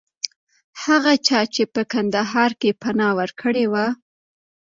هغه چا چې په کندهار کې پناه ورکړې وه.